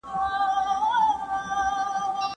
خپل کالي پاک ساتئ.